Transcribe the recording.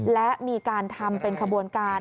และมีการทำเป็นขบวนการ